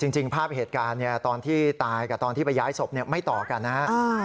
จริงภาพเหตุการณ์ตอนที่ตายกับตอนที่ไปย้ายศพไม่ต่อกันนะครับ